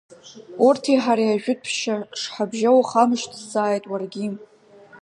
Урҭи ҳареи ажәытәшьа шҳабжьоу ухамшҭзааит уаргьы.